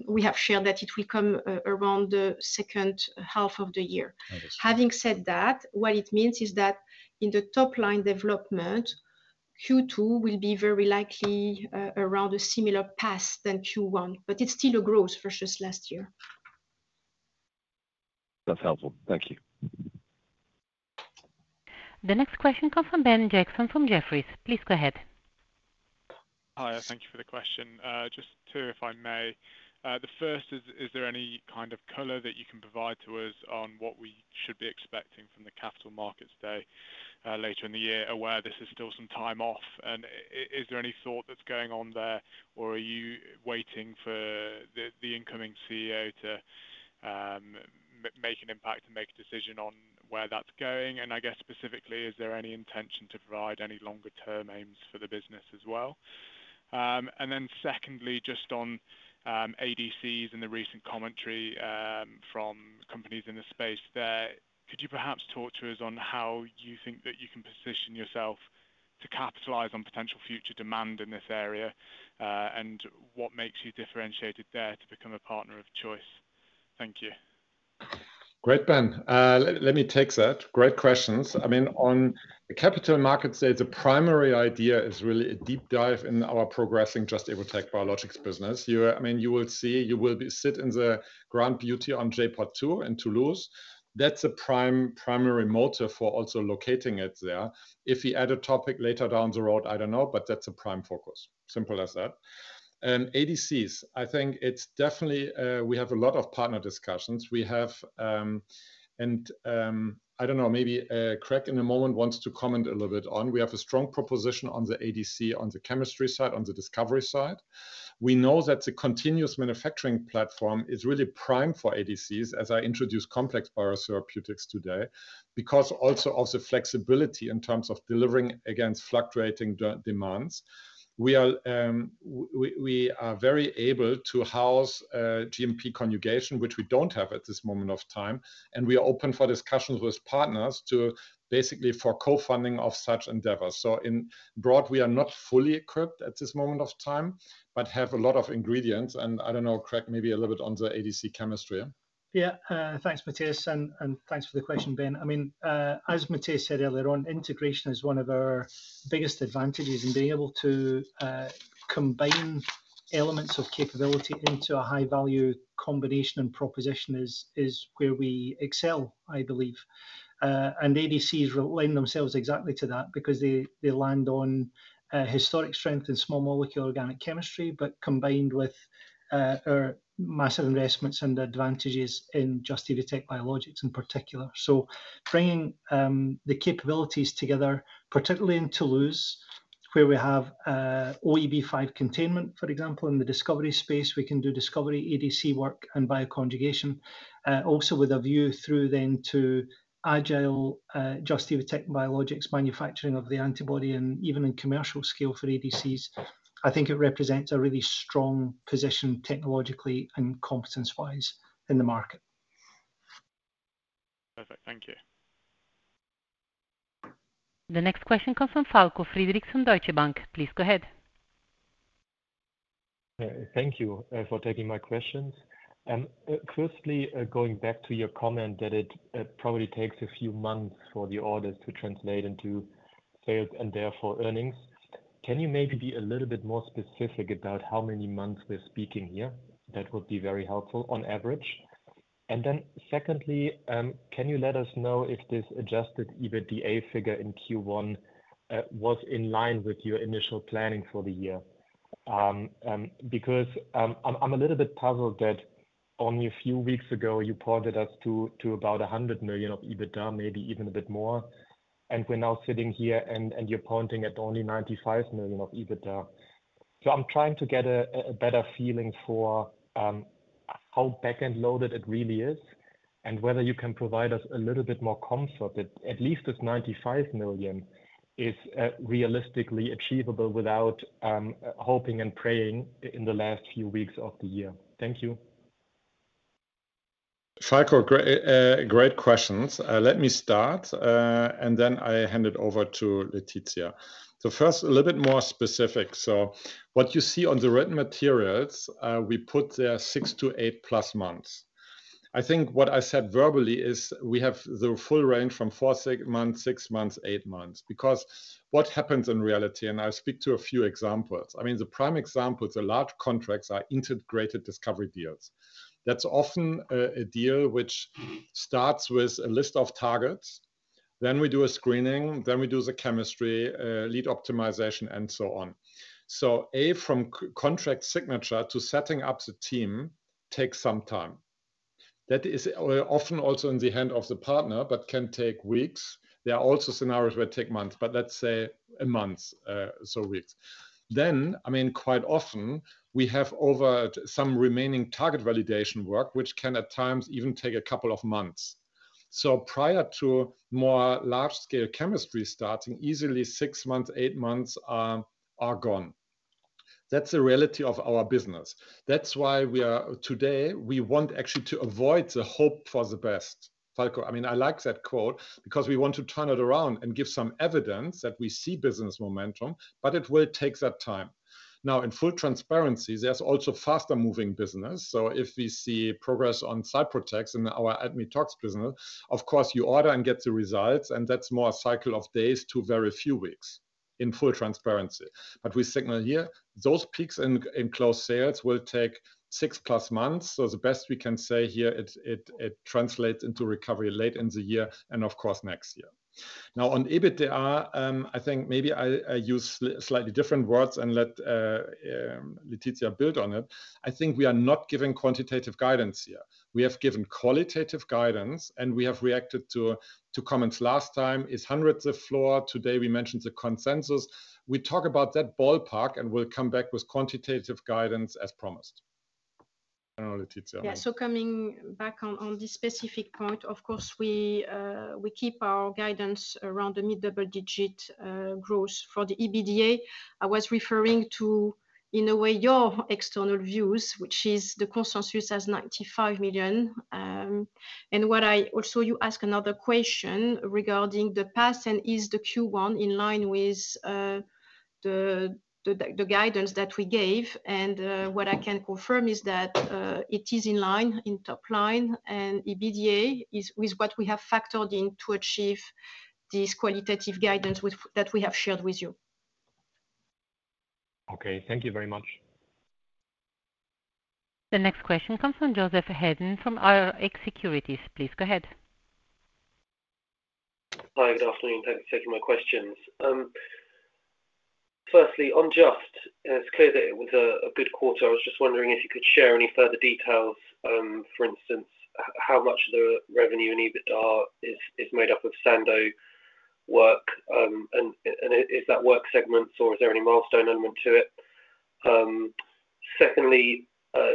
we have shared that it will come around the second half of the year. Understood. Having said that, what it means is that in the top line development, Q2 will be very likely around a similar path than Q1, but it's still a growth versus last year. That's helpful. Thank you. The next question comes from Ben Jackson from Jefferies. Please go ahead. Hi, thank you for the question. Just two, if I may. The first is: Is there any kind of color that you can provide to us on what we should be expecting from the Capital Markets Day, later in the year, aware this is still some time off, and is there any thought that's going on there, or are you waiting for the incoming CEO to make an impact and make a decision on where that's going? And I guess specifically, is there any intention to provide any longer-term aims for the business as well? And then secondly, just on ADCs and the recent commentary from companies in the space there, could you perhaps talk to us on how you think that you can position yourself to capitalize on potential future demand in this area? What makes you differentiated there to become a partner of choice? Thank you. Great, Ben. Let me take that. Great questions. I mean, on the Capital Markets Day, the primary idea is really a deep dive in our progressing Just - Evotec Biologics business. I mean, you will see, you will be sit in the grand beauty on J.POD 2 in Toulouse. That's a prime, primary motive for also locating it there. If we add a topic later down the road, I don't know, but that's a prime focus. Simple as that. And ADCs, I think it's definitely. We have a lot of partner discussions. I don't know, maybe Craig in a moment wants to comment a little bit on. We have a strong proposition on the ADC, on the chemistry side, on the discovery side. We know that the continuous manufacturing platform is really prime for ADCs, as I introduced complex biotherapeutics today, because also of the flexibility in terms of delivering against fluctuating demands. We are very able to house GMP conjugation, which we don't have at this moment of time, and we are open for discussions with partners to basically for co-funding of such endeavors. So in broad, we are not fully equipped at this moment of time, but have a lot of ingredients, and I don't know, Craig, maybe a little bit on the ADC chemistry. Yeah. Thanks, Matthias, and, and thanks for the question, Ben. I mean, as Matthias said earlier on, integration is one of our biggest advantages, and being able to combine elements of capability into a high-value combination and proposition is, is where we excel, I believe. And ADCs lend themselves exactly to that because they, they land on historic strength in small molecule organic chemistry, but combined with our massive investments and advantages Just – Evotec Biologics in particular. So bringing the capabilities together, particularly in Toulouse,... where we have OEB 5 containment, for example, in the discovery space. We can do discovery, ADC work, and bioconjugation, also with a view through then to Agile Just – Evotec Biologics manufacturing of the antibody, and even in commercial scale for ADCs. I think it represents a really strong position technologically and competence-wise in the market. Perfect. Thank you. The next question comes from Falko Friedrichs from Deutsche Bank. Please go ahead. Thank you for taking my questions. Firstly, going back to your comment that it probably takes a few months for the orders to translate into sales and therefore earnings. Can you maybe be a little bit more specific about how many months we're speaking here? That would be very helpful, on average. And then secondly, can you let us know if this adjusted EBITDA figure in Q1 was in line with your initial planning for the year? Because, I'm a little bit puzzled that only a few weeks ago you pointed us to about 100 million of EBITDA, maybe even a bit more, and we're now sitting here and you're pointing at only 95 million of EBITDA. So I'm trying to get a better feeling for how back-end loaded it really is, and whether you can provide us a little bit more comfort that at least this 95 million is realistically achievable without hoping and praying in the last few weeks of the year. Thank you. Falko, great, great questions. Let me start, and then I hand it over to Laetitia. So first, a little bit more specific. So what you see on the written materials, we put there 6-8+ months. I think what I said verbally is we have the full range from 4-6 months, 6 months, 8 months. Because what happens in reality, and I'll speak to a few examples, I mean, the prime examples, the large contracts, are integrated discovery deals. That's often a deal which starts with a list of targets, then we do a screening, then we do the chemistry, lead optimization, and so on. So A, from contract signature to setting up the team takes some time. That is, often also in the hand of the partner, but can take weeks. There are also scenarios where it take months, but let's say months, so weeks. Then, I mean, quite often we have over some remaining target validation work, which can at times even take a couple of months. So prior to more large-scale chemistry starting, easily six months, eight months, are gone. That's the reality of our business. That's why we are... Today, we want actually to avoid the hope for the best, Falko. I mean, I like that quote because we want to turn it around and give some evidence that we see business momentum, but it will take that time. Now, in full transparency, there's also faster moving business, so if we see progress on Cyprotex in our ADME-Tox business, of course, you order and get the results, and that's more a cycle of days to very few weeks, in full transparency. But we signal here, those peaks in close sales will take 6+ months, so the best we can say here, it translates into recovery late in the year and of course, next year. Now, on EBITDA, I think maybe I use slightly different words and let Laetitia build on it. I think we are not giving quantitative guidance here. We have given qualitative guidance, and we have reacted to comments last time, is hundreds of floor. Today, we mentioned the consensus. We talk about that ballpark, and we'll come back with quantitative guidance as promised. I don't know, Laetitia. Yeah, so coming back on this specific point, of course, we keep our guidance around the mid-double-digit growth. For the EBITDA, I was referring to, in a way, your external views, which is the consensus as 95 million. Also, you ask another question regarding the past and is the Q1 in line with the guidance that we gave. And what I can confirm is that it is in line, in top line, and EBITDA is what we have factored in to achieve this qualitative guidance with that we have shared with you. Okay, thank you very much. The next question comes from Joseph Hedden from Rx Securities. Please go ahead. Hi, good afternoon. Thank you for taking my questions. Firstly, on Just, it's clear that it was a good quarter. I was just wondering if you could share any further details, for instance, how much of the revenue and EBITDA is made up of Sandoz work, and is that work segments or is there any milestone element to it? Secondly,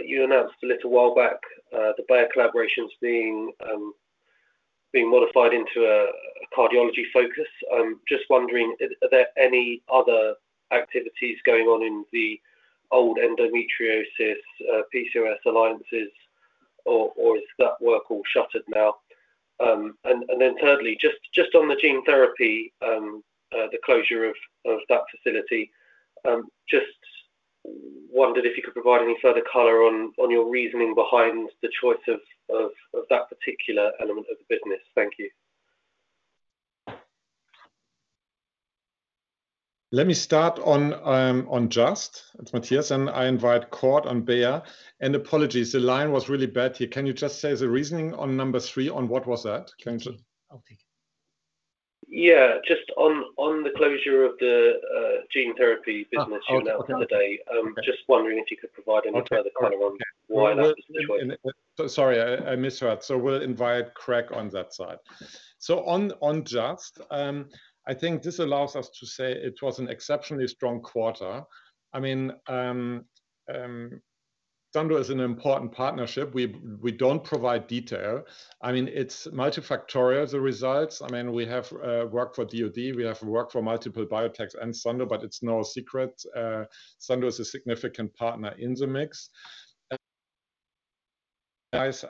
you announced a little while back, the Bayer collaborations being modified into a cardiology focus. I'm just wondering, are there any other activities going on in the old endometriosis, PCOS alliances or is that work all shuttered now? And then thirdly, just on the gene therapy, the closure of that facility, just wondered if you could provide any further color on your reasoning behind the choice of that particular element of the business? Thank you. Let me start on, on Just. It's Matthias, and I invite Cord on Bayer. And apologies, the line was really bad here. Can you just say the reasoning on number 3, on what was that? Can you- I'll take it. Yeah, just on, on the closure of the gene therapy business- Oh, okay You announced the other day. Just wondering if you could provide any further color on why that was the case? Sorry, I missed that. So we'll invite Craig on that side. So on, on Just, I think this allows us to say it was an exceptionally strong quarter. I mean, Sandoz is an important partnership. We don't provide detail. I mean, it's multifactorial, the results. I mean, we have worked for DOD, we have worked for multiple biotechs and Sandoz, but it's no secret, Sandoz is a significant partner in the mix. Guys,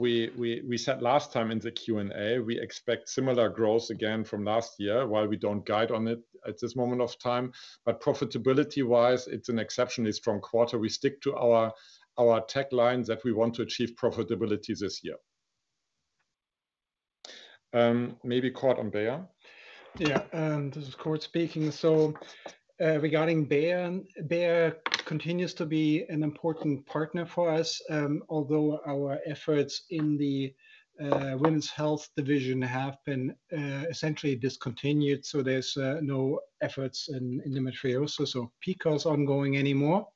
we said last time in the Q&A, we expect similar growth again from last year, while we don't guide on it at this moment of time. But profitability-wise, it's an exceptionally strong quarter. We stick to our tagline that we want to achieve profitability this year. Maybe Cord on Bayer? Yeah, this is Cord speaking. So, regarding Bayer, Bayer continues to be an important partner for us, although our efforts in the women's health division have been essentially discontinued, so there's no efforts in the osteoporosis or PCOS ongoing anymore.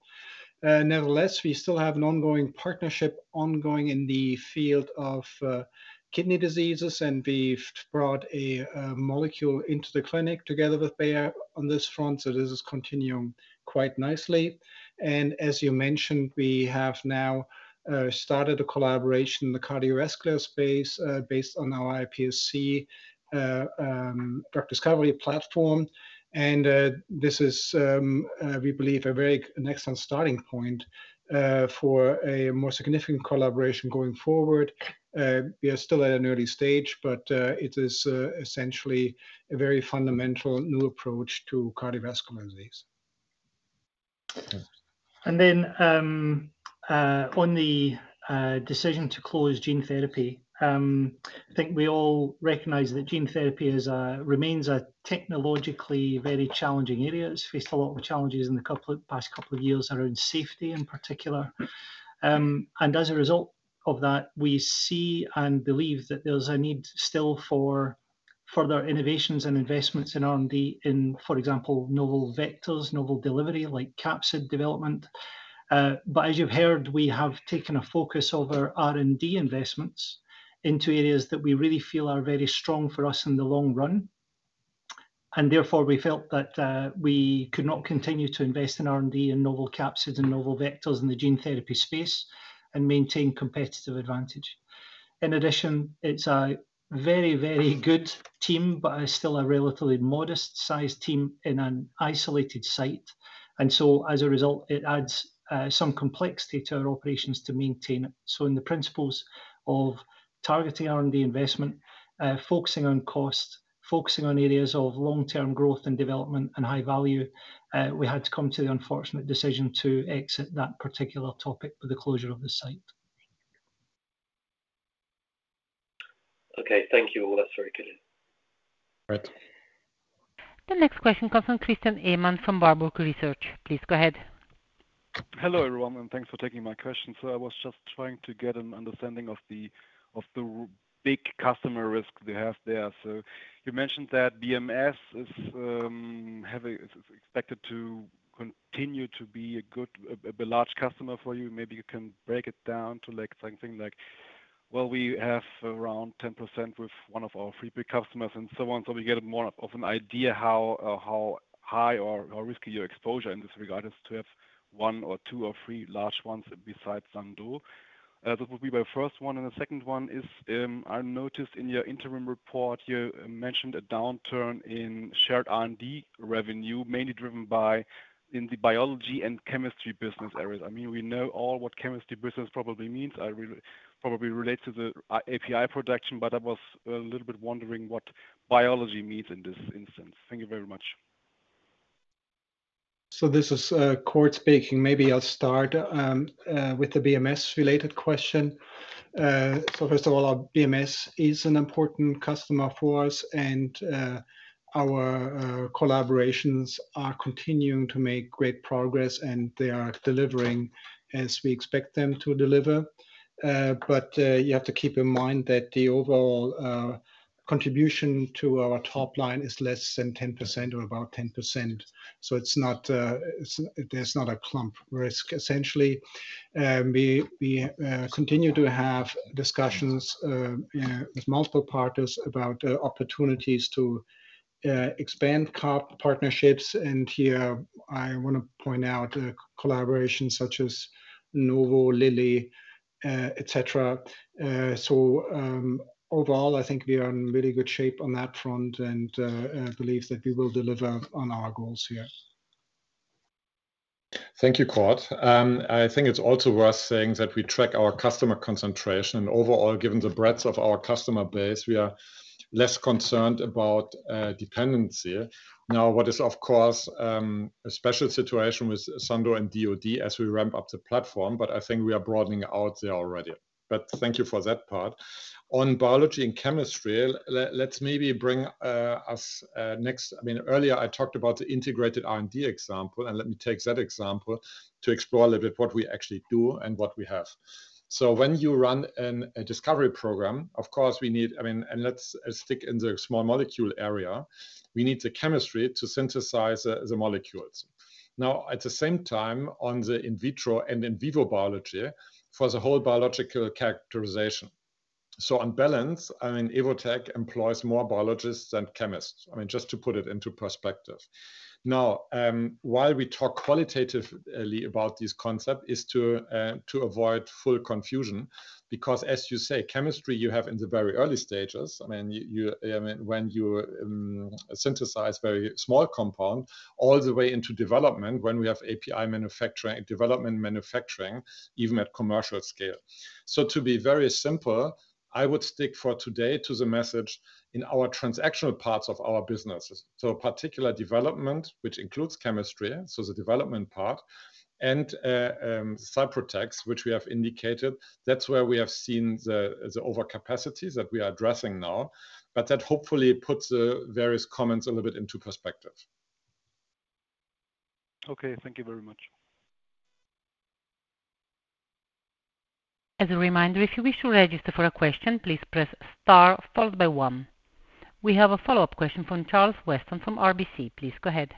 Nevertheless, we still have an ongoing partnership ongoing in the field of kidney diseases, and we've brought a molecule into the clinic together with Bayer on this front, so this is continuing quite nicely. And as you mentioned, we have now started a collaboration in the cardiovascular space, based on our iPSC drug discovery platform. And this is we believe a very excellent starting point for a more significant collaboration going forward. We are still at an early stage, but it is essentially a very fundamental new approach to cardiovascular disease. Yes. And then, on the decision to close gene therapy, I think we all recognize that gene therapy remains a technologically very challenging area. It's faced a lot of challenges in the past couple of years around safety in particular. And as a result of that, we see and believe that there's a need still for further innovations and investments in R&D in, for example, novel vectors, novel delivery like capsid development. But as you've heard, we have taken a focus of our R&D investments into areas that we really feel are very strong for us in the long run. And therefore, we felt that we could not continue to invest in R&D and novel capsids and novel vectors in the gene therapy space and maintain competitive advantage. In addition, it's a very, very good team, but still a relatively modest-sized team in an isolated site. And so as a result, it adds some complexity to our operations to maintain it. So in the principles of targeting R&D investment, focusing on cost, focusing on areas of long-term growth and development and high value, we had to come to the unfortunate decision to exit that particular topic with the closure of the site. Okay, thank you all. That's very good. All right. The next question comes from Christian Ehmann from Warburg Research. Please go ahead. Hello, everyone, and thanks for taking my question. So I was just trying to get an understanding of the big customer risk they have there. So you mentioned that BMS is expected to continue to be a good, a large customer for you. Maybe you can break it down to like something like, well, we have around 10% with one of our three big customers and so on, so we get more of an idea how high or risky your exposure in this regard is to have one or two or three large ones besides Sandoz. That would be my first one, and the second one is, I noticed in your interim report, you mentioned a downturn in shared R&D revenue, mainly driven by, in the biology and chemistry business areas. I mean, we know all what chemistry business probably means. I probably relate to the API production, but I was a little bit wondering what biology means in this instance. Thank you very much. So this is, Cord speaking. Maybe I'll start with the BMS-related question. So first of all, our BMS is an important customer for us, and, our collaborations are continuing to make great progress, and they are delivering as we expect them to deliver. But you have to keep in mind that the overall contribution to our top line is less than 10% or about 10%. So it's not, it's, there's not a clump risk. Essentially, we continue to have discussions with multiple partners about opportunities to expand co-partnerships. And here, I want to point out collaborations such as Novo, Lilly, et cetera. So, overall, I think we are in really good shape on that front and, I believe that we will deliver on our goals here. Thank you, Cord. I think it's also worth saying that we track our customer concentration and overall, given the breadth of our customer base, we are less concerned about dependency. Now, what is, of course, a special situation with Sandoz and DOD as we ramp up the platform, but I think we are broadening out there already. But thank you for that part. On biology and chemistry, let's maybe bring us next. I mean, earlier, I talked about the integrated R&D example, and let me take that example to explore a little bit what we actually do and what we have. So when you run a discovery program, of course, we need. I mean, and let's stick in the small molecule area. We need the chemistry to synthesize the molecules. Now, at the same time, on the in vitro and in vivo biology, for the whole biological characterization... So on balance, I mean, Evotec employs more biologists than chemists. I mean, just to put it into perspective. Now, why we talk qualitatively about this concept is to avoid full confusion, because as you say, chemistry you have in the very early stages. I mean, when you synthesize very small compound all the way into development, when we have API manufacturing, development manufacturing, even at commercial scale. So to be very simple, I would stick for today to the message in our transactional parts of our businesses. So particular development, which includes chemistry, so the development part, and Cyprotex, which we have indicated, that's where we have seen the overcapacity that we are addressing now, but that hopefully puts the various comments a little bit into perspective. Okay, thank you very much. As a reminder, if you wish to register for a question, please press star followed by one. We have a follow-up question from Charles Weston from RBC. Please go ahead.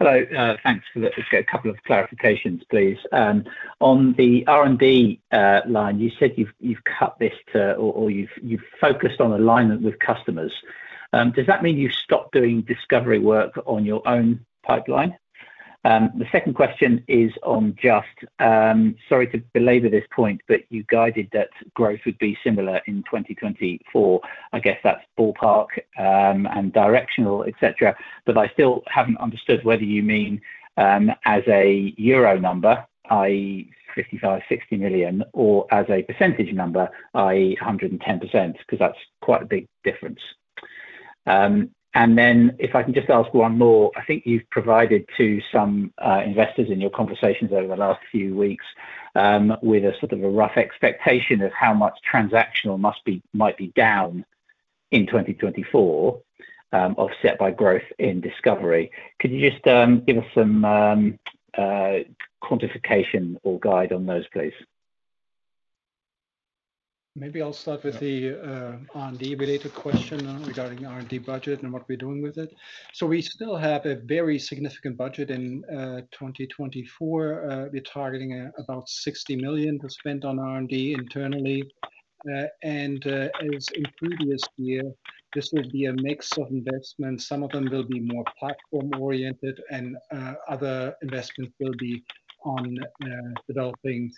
Hello. Thanks for that. Just a couple of clarifications, please. On the R&D line, you said you've cut this to or you've focused on alignment with customers. Does that mean you've stopped doing discovery work on your own pipeline? The second question is on Just, sorry to belabor this point, but you guided that growth would be similar in 2024. I guess that's ballpark and directional, et cetera. But I still haven't understood whether you mean as a euro number, i.e., 55-60 million, or as a percentage number, i.e., 110%, because that's quite a big difference. And then if I can just ask one more, I think you've provided to some investors in your conversations over the last few weeks with a sort of a rough expectation of how much transactional must be might be down in 2024, offset by growth in discovery. Could you just give us some quantification or guide on those, please? Maybe I'll start with the R&D related question regarding R&D budget and what we're doing with it. So we still have a very significant budget in 2024. We're targeting about 60 million to spend on R&D internally. And as in previous year, this will be a mix of investments. Some of them will be more platform-oriented, and other investments will be on developing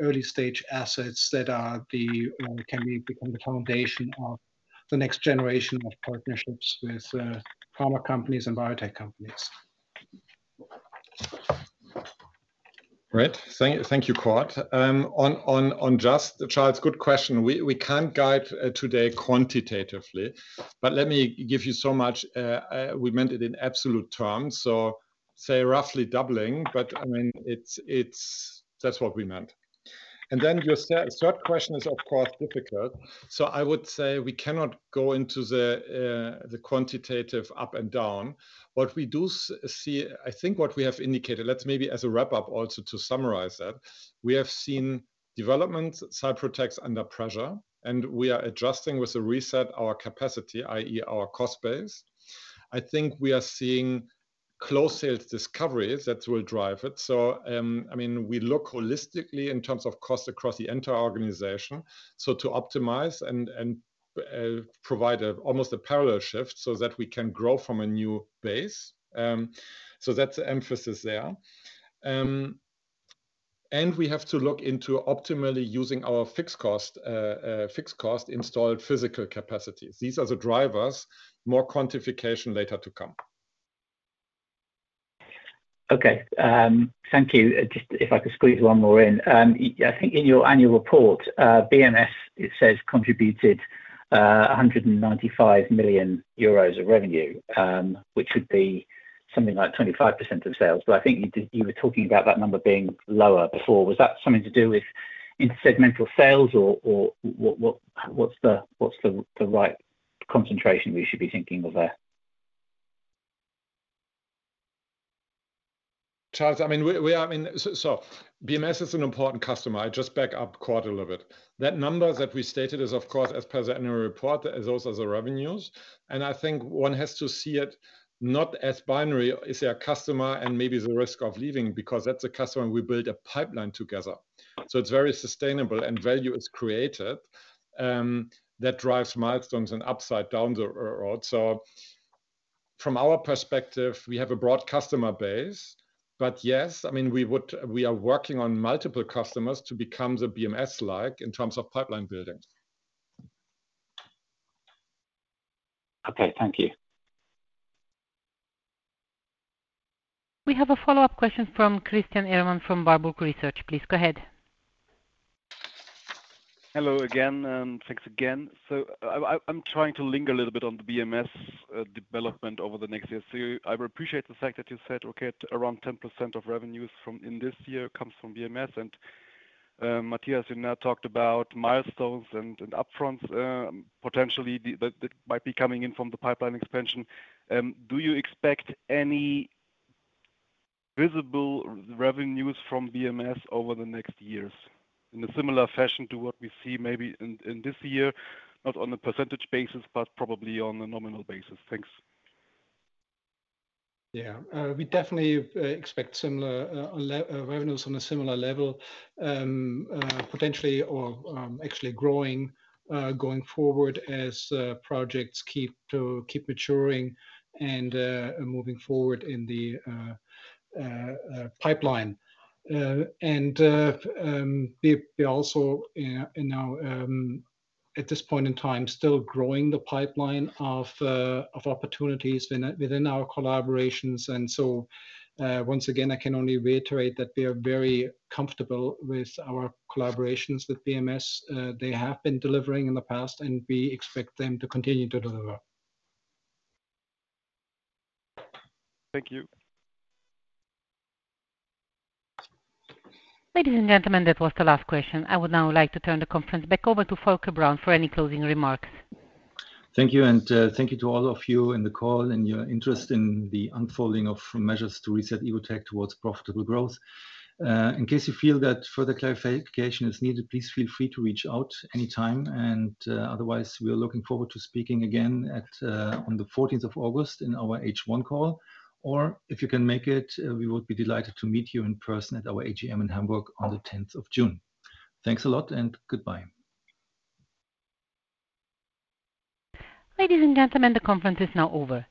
early-stage assets that are the-- or can be become the foundation of the next generation of partnerships with pharma companies and biotech companies. Great. Thank you, Cord. On just, Charles, good question. We can't guide today quantitatively, but let me give you so much, we meant it in absolute terms, so say, roughly doubling, but I mean, it's... That's what we meant. And then your third question is, of course, difficult. So I would say we cannot go into the quantitative up and down. What we do see, I think what we have indicated, let's maybe as a wrap-up also to summarize that, we have seen development Cyprotex under pressure, and we are adjusting with the reset our capacity, i.e., our cost base. I think we are seeing close sales discoveries that will drive it. So, I mean, we look holistically in terms of cost across the entire organization, so to optimize and provide almost a parallel shift so that we can grow from a new base. So that's the emphasis there. And we have to look into optimally using our fixed cost installed physical capacities. These are the drivers. More quantification later to come. Okay. Thank you. Just if I could squeeze one more in. I think in your annual report, BMS, it says contributed 195 million euros of revenue, which would be something like 25% of sales, but I think you were talking about that number being lower before. Was that something to do with intersegmental sales or what, what's the right concentration we should be thinking of there? Charles, we are. So, BMS is an important customer. I just back up quite a little bit. That number that we stated is, of course, as per the annual report, those are the revenues, and I think one has to see it not as binary, is there a customer and maybe the risk of leaving, because that's a customer and we build a pipeline together. So it's very sustainable and value is created, that drives milestones and upside down the road. So from our perspective, we have a broad customer base, but yes, I mean, we are working on multiple customers to become the BMS-like in terms of pipeline building. Okay, thank you. We have a follow-up question from Christian Ehmann from Warburg Research. Please go ahead. Hello again, and thanks again. So I'm trying to linger a little bit on the BMS development over the next year. So I appreciate the fact that you said, okay, around 10% of revenues from, in this year comes from BMS, and Matthias and I talked about milestones and upfront, potentially that might be coming in from the pipeline expansion. Do you expect any visible revenues from BMS over the next years in a similar fashion to what we see maybe in this year, not on a percentage basis, but probably on a nominal basis? Thanks. Yeah. We definitely expect similar revenues on a similar level, potentially or actually growing going forward as projects keep maturing and moving forward in the pipeline. And we also, in our at this point in time, still growing the pipeline of opportunities within our collaborations, and so once again, I can only reiterate that we are very comfortable with our collaborations with BMS. They have been delivering in the past, and we expect them to continue to deliver. Thank you. Ladies and gentlemen, that was the last question. I would now like to turn the conference back over to Volker Braun for any closing remarks. Thank you, and thank you to all of you in the call and your interest in the unfolding of measures to reset Evotec towards profitable growth. In case you feel that further clarification is needed, please feel free to reach out anytime, and otherwise, we are looking forward to speaking again at on the fourteenth of August in our H1 call, or if you can make it, we would be delighted to meet you in person at our AGM in Hamburg on the 10th of June. Thanks a lot and goodbye. Ladies and gentlemen, the conference is now over.